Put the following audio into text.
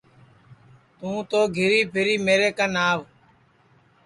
توں تو گھیری پھیر میرے کن آو